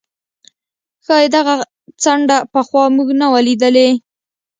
ښايي دغه څنډه پخوا موږ نه وه لیدلې.